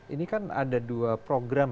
ini kan ada dua program